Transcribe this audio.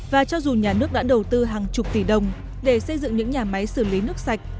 và cho dù nhà nước đã đầu tư hàng chục tỷ đồng để xây dựng những nhà máy xử lý nước sạch